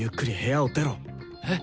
えっ？